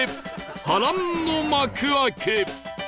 波乱の幕開け